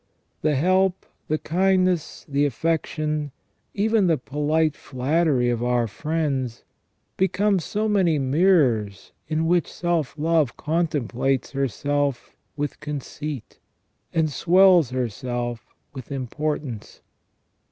The help, the kindness, the affection, even the polite flattery of our friends, become so many mirrors in which self love contem plates herself with conceit, and swells herself with importance.